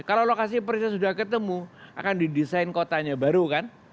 kalau lokasi persis sudah ketemu akan didesain kotanya baru kan